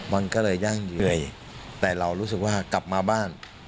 มันก็เลยยั่งเหนื่อยแต่เรารู้สึกว่ากลับมาบ้าน